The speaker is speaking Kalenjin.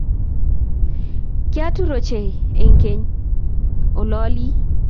Kiatur ochey eng ' keng' ololii.